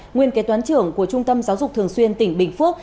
nguyên kế toán trưởng của trung tâm giáo dục thường xuyên tỉnh bình phước